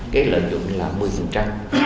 cái lợi dụng nguyên liệu